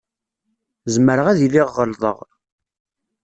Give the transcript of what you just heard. Zemreɣ ad iliɣ ɣelḍeɣ.